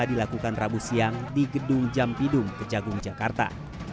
dilakukan rabu siang di gedung jampidum kejagung jakarta